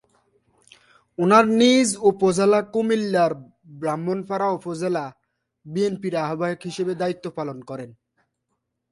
উনার নিজ, উপজেলা কুমিল্লার ব্রাহ্মণপাড়া উপজেলা বিএনপির আহবায়ক হিসেবে দায়িত্ব পালন করেন।